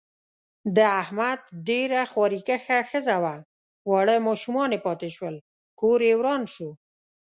د احمد ډېره خواریکښه ښځه وه، واړه ماشومان یې پاتې شول. کوریې وران شو.